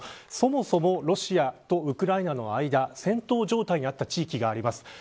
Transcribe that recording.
ロシアとウクライナの間は戦闘状態にあった地域があります。